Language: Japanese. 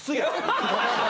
ハハハハ！